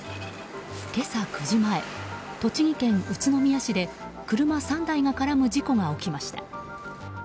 今朝９時前、栃木県宇都宮市で車３台が絡む事故が起きました。